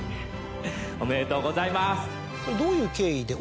おめでとうございます。